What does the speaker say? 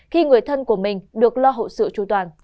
khi người thân của mình được lo hậu sự chu toàn